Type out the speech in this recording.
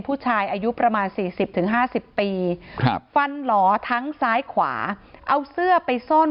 ผู้ชายอายุประมาณ๔๐๕๐ปีฟันหล่อทั้งซ้ายขวาเอาเสื้อไปซ่อน